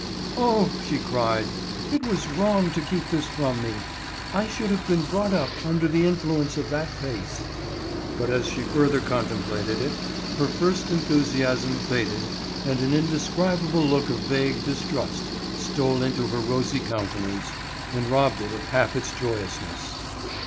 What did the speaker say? "Oh!" she cried; "it was wrong to keep this from me; I should have been brought up under the influence of that face." But as she further contemplated it, her first enthusiasm faded and an indescribable look of vague distrust stole into her rosy countenance, and robbed it of half its joyousness.